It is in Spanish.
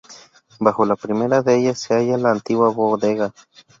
Bajo la primera de ellas se halla la antigua bodega.